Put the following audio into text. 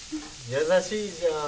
優しいじゃん。